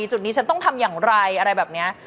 จุดนี้ฉันต้องทำอย่างไรอะไรแบบนี้